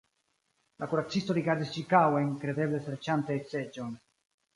La kuracisto rigardis ĉirkaŭen, kredeble serĉante seĝon.